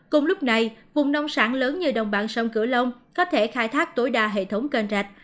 cùng lúc này vùng nông sản lớn như đồng bằng sông cửu long có thể khai thác tối đa hệ thống kênh rạch